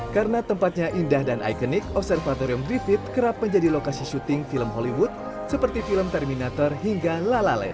karena tempatnya indah dan ikonik observatorium griffith kerap menjadi lokasi syuting film hollywood seperti film terminator hingga la la land